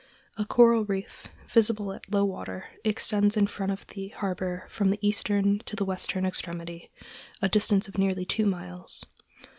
A coral reef, visible at low water, extends in front of the harbor from the eastern to the western extremity, a distance of nearly two miles.